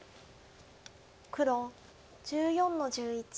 黒１４の十一。